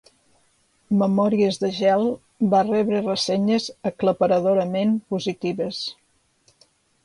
Memòries de gel va rebre ressenyes aclaparadorament positives.